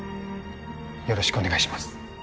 よろしくお願いします